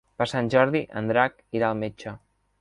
Per Sant Jordi en Drac irà al metge.